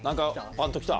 パンときた？